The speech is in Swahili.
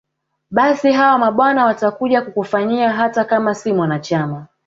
Basi hawa mabwana watakuja kukufanyia hata kama si mwanachama